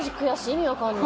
意味わかんない。